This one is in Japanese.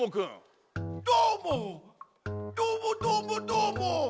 どーもどーもどーもどーも。